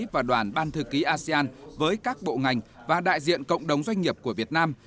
và đoàn ban thư ký asean với các bộ ngành và đại diện cộng đồng doanh nghiệp của việt nam